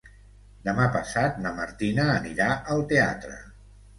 Demà passat na Martina anirà al teatre.